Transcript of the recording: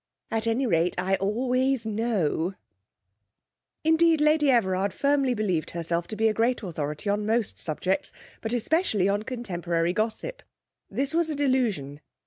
At any rate, I always know.' Indeed, Lady Everard firmly believed herself to be a great authority on most subjects, but especially on contemporary gossip. This was a delusion.